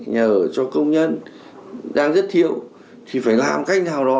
nhà ở cho công nhân đang rất thiếu thì phải làm cách nào đó